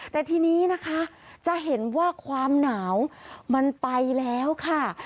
แต่ทีนี้นะคะจะเห็นว่าความหนาวมันไปแล้วค่ะ